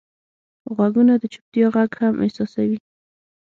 غوږونه د چوپتیا غږ هم احساسوي